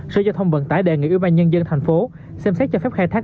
sở giao thông vận tải đề nghị ubnd tp hcm xem xét cho phép khai thác